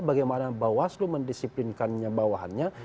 bagaimana bawaslu mendisiplinkannya